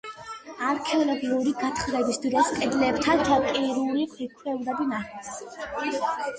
არქეოლოგიური გათხრების დროს კედლებთან ჩაკირული ქვევრები ნახეს.